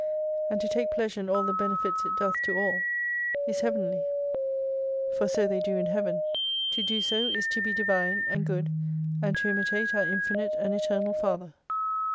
And to take pleasure in all the benefits it doth to all is Heavenly, for '9 so they do in Heaven. To do so, is to be divine and good, and to imitate our Infinite and Eternal Father.